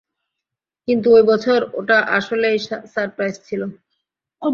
কিন্তু ওই বছর, ওটা আসলেই সারপ্রাইজ ছিল।